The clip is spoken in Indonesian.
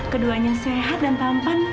keduanya sehat dan tampan